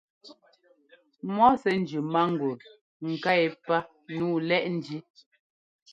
Mɔ́ sɛ́ njʉ mángul nká yɛ́pá nǔu lɛ́ʼ njí.